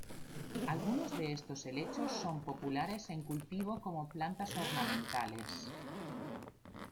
Algunos de estos helechos son populares en cultivo como plantas ornamentales.